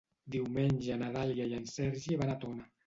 Diumenge na Dàlia i en Sergi van a Tona.